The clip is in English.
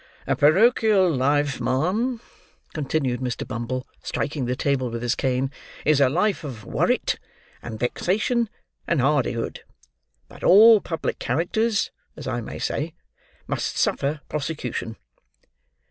"A porochial life, ma'am," continued Mr. Bumble, striking the table with his cane, "is a life of worrit, and vexation, and hardihood; but all public characters, as I may say, must suffer prosecution."